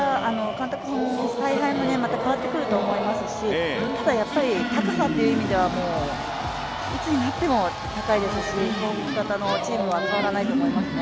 監督の采配もまた変わってくると思いますしただやっぱり高さという意味ではいつになっても高いですし攻撃型のチームは変わらないと思いますね。